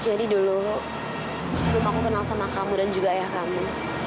jadi dulu sebelum aku kenal sama kamu dan juga ayah kamu